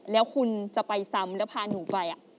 แล้วคุณจะไปซ้ำแล้วพาหนูไป